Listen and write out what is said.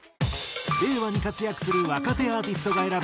令和に活躍する若手アーティストが選ぶ最強